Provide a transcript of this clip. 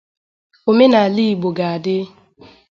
Omenala Igbo ga-adị!